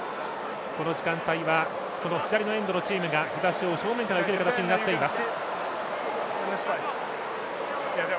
この時間帯は左のエンドのチームが日ざしを正面から受ける形になっています。